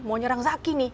mau nyerang zaky nih